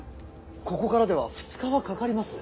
ここからでは２日はかかります。